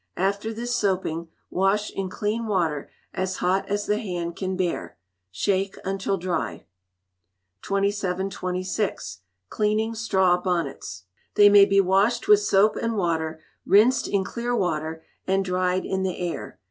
After this soaping, wash in clean water, as hot as the hand can bear. Shake until dry. 2726. Cleaning Straw Bonnets. They may be washed with soap and water, rinsed in clear water, and dried in the air.